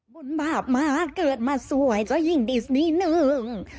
บุญบาปมากเกิดมาสวยเจ้าหญิงดิสนีหนึ่ง